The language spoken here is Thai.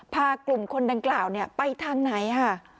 พากลุ่มคนดังกล่าวไปทางไหนค่ะ